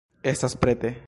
Estas prete.